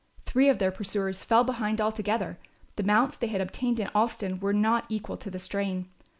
Three of their pursuers fell behind altogether, the mounts they had obtained in Alston were not equal to the strain.